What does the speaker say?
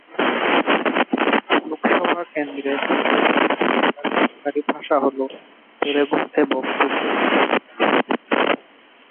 লোকসভা কেন্দ্রের অন্তর্গত এলাকার সরকারি ভাষা হল তেলুগু এবং উর্দু।